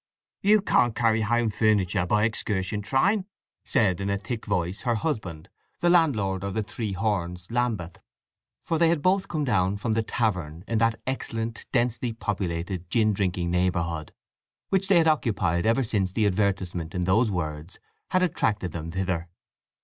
"You can't carry home furniture by excursion train," said, in a thick voice, her husband, the landlord of The Three Horns, Lambeth; for they had both come down from the tavern in that "excellent, densely populated, gin drinking neighbourhood," which they had occupied ever since the advertisement in those words had attracted them thither.